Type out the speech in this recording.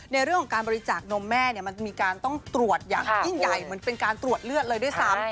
ในเรื่องของการบริจาคนมแม่เนี่ยมันมีการต้องตรวจอย่างยิ่งใหญ่เหมือนเป็นการตรวจเลือดเลยด้วยซ้ำ